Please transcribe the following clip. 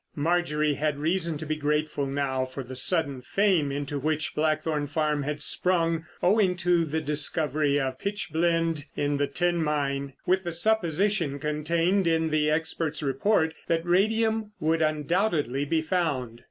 Marjorie had reason to be grateful now for the sudden fame into which Blackthorn Farm had sprung owing to the discovery of pitch blende in the tin mine, with the supposition contained in the expert's report that radium would undoubtedly be found.